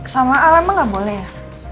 sama al emang gak boleh ya